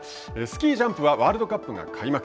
スキージャンプはワールドカップが開幕。